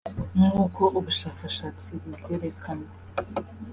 Nk’uko ubushakashatsi bubyerekana